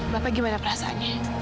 bapak gimana perasaannya